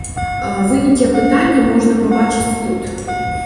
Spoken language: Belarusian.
Вынікі апытання можна пабачыць тут.